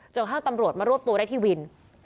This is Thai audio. กระทั่งตำรวจมารวบตัวได้ที่วิน